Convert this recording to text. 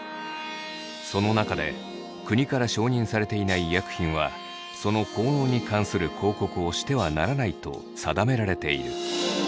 その中で「国から承認されていない医薬品はその効能に関する広告をしてはならない」と定められている。